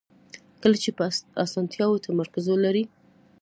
کله چې په اسانتیاوو تمرکز ولرئ.